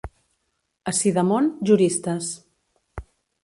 A Sidamon, juristes.